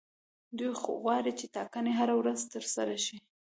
دوی غواړي چې ټاکنې هره ورځ ترسره شي.